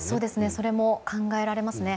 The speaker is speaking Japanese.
それも考えられますね。